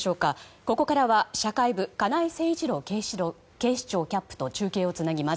ここからは社会部の金井誠一郎警視庁キャップと中継をつなぎます。